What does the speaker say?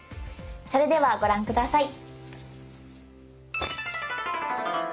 それではご覧下さい。